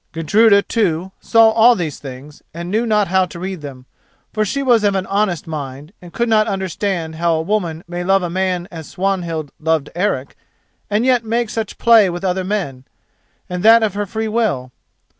Gudruda, too, saw all these things and knew not how to read them, for she was of an honest mind, and could not understand how a woman may love a man as Swanhild loved Eric and yet make such play with other men, and that of her free will.